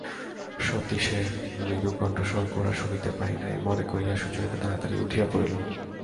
সতীশের মৃদু কণ্ঠস্বর গোরা শুনিতে পায় নাই মনে করিয়া সুচরিতা তাড়াতাড়ি উঠিয়া পড়িল।